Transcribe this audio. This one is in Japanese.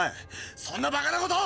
そんなバカなこと！